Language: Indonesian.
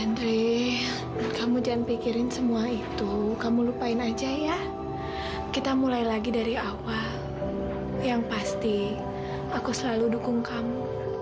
andre kamu jangan pikirin semua itu kamu lupain aja ya kita mulai lagi dari awal yang pasti aku selalu dukung kamu